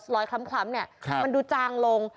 คล้ำเนี่ยมันดูจางลง